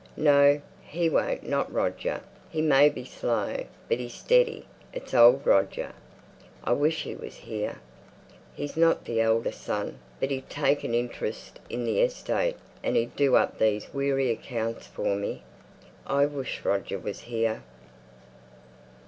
No, he won't not Roger; he may be slow, but he's steady, is old Roger. I wish he was here. He's not the eldest son, but he'd take an interest in the estate; and he'd do up these weary accounts for me. I wish Roger was here!"